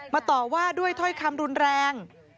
ต่อว่าด้วยถ้อยคำรุนแรง